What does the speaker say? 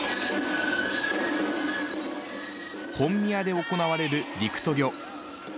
本宮で行われる陸渡御。